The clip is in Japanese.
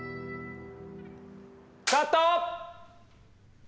・カット！